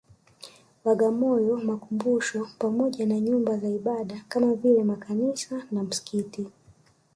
Bagamoyo makumbusho pamoja na Nyumba za Ibada kama vile Makanisa na Misikiti